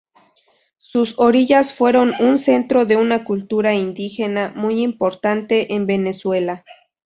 Sus orillas fueron un centro de una cultura indígena muy importante en Venezuela.